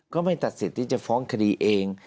ก็ไม่ตัดสิทธิ์ที่จะฟ้องคดีเอง